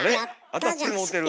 当たってもうてる。